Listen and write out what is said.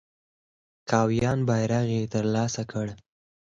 کاویان بیرغ یې تر لاسه کړ.